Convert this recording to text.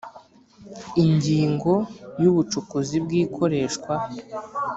Ingingo ya Ubucukuzi bw ibikoreshwa